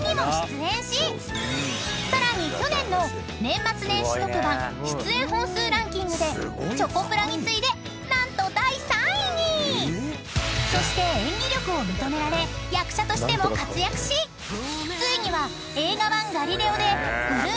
［さらに去年の年末年始特番出演本数ランキングでチョコプラに次いで何と第３位に！］［そして演技力を認められ役者としても活躍しついには］